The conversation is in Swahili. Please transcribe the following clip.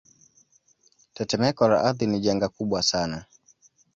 Tetemeko la ardhi ni janga kubwa sana